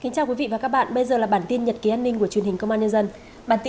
các bạn hãy đăng ký kênh để ủng hộ kênh của chúng mình nhé